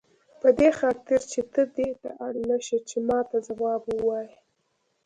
په دې خاطر چې ته دې ته اړ نه شې چې ماته ځواب ووایې.